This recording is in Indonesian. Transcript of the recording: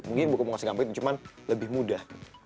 mungkin gue mau ngasih gampang itu cuman lebih mudah